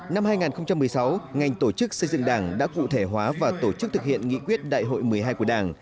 năm hai nghìn một mươi sáu ngành tổ chức xây dựng đảng đã cụ thể hóa và tổ chức thực hiện nghị quyết đại hội một mươi hai của đảng